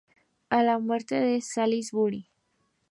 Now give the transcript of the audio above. A la muerte de Salisbury.